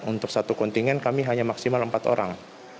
untuk satu kontingen kami hanya maksimal empat orang